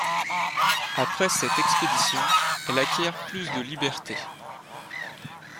Après cette expédition, elle acquiert plus de liberté.